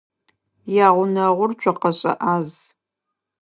Ягъунэгъур цокъэшӏэ ӏаз.